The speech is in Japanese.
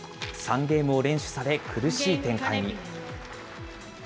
３ゲームを連取され、苦しい展開に。